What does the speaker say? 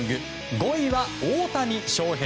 ５位は大谷翔平。